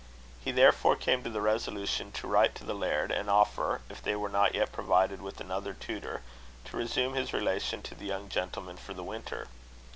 He therefore came to the resolution to write to the laird, and offer, if they were not yet provided with another tutor, to resume his relation to the young gentlemen for the winter.